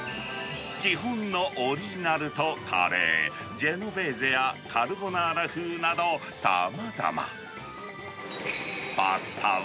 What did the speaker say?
基本のオリジナルとカレー、ジェノベーゼやカルボナーラ風など、さまざま。